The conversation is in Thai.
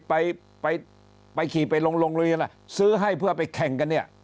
ไปไปขี่ไปลงโรงเรียนล่ะซื้อให้เพื่อไปแข่งกันเนี่ย